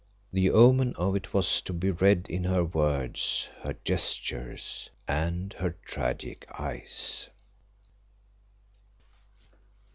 The omen of it was to be read in her words, her gestures, and her tragic eyes.